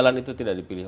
aet itu agak mudah